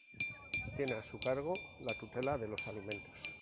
Tiene a su cargo la tutela de los alimentos.